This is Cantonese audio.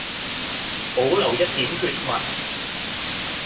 保留一點血脈